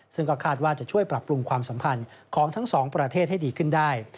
ซึ่งก็คาดว่าจะช่วยปรับปรุงความสัมพันธ์ของทั้งสองประเทศให้ดีขึ้นได้